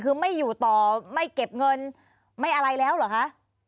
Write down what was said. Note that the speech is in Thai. คือไม่อยู่ต่อไม่เก็บเงินไม่อะไรแล้วเหรอคะ